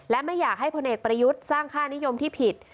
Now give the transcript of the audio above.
และไม่อยากให้พลเอกประยุทธ์สร้างค่านิยมที่ผิด